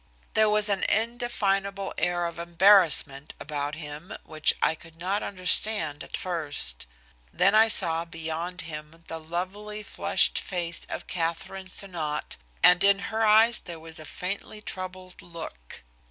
There was an indefinable air of embarrassment about him which I could not understand at first. Then I saw beyond him the lovely flushed face of Katharine Sonnot, and in her eyes there was a faintly troubled look.